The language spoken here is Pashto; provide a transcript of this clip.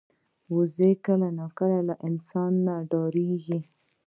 وزې کله ناکله له انسانه ډاریږي